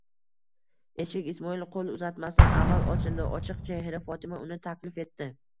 Eshik Ismoil qo'l uzatmasdan avval ochildi, ochiq chehra Fotima uni taklif etdi.